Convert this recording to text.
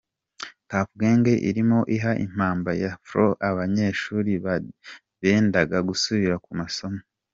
Tuff Gang irimo iha impamba ya flow abanyeshuri bendaga gusubira ku masomo.